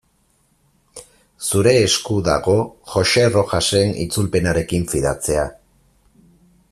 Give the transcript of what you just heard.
Zure esku dago Joxe Rojasen itzulpenarekin fidatzea.